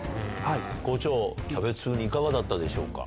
校長キャベツウニいかがだったでしょうか？